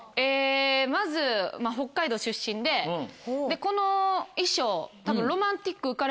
まず北海道出身でこの衣装たぶん。